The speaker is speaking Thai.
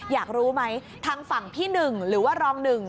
อยากรู้ไหมทางฝั่งพี่หนึ่งหรือว่ารองหนึ่ง